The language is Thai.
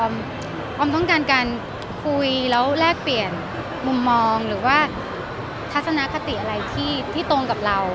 ความต้องการการคุยแล้วแลกเปลี่ยนมุมมองหรือว่าทัศนคติอะไรที่ตรงกับเรา